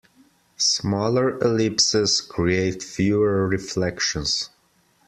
Smaller ellipses create fewer reflections.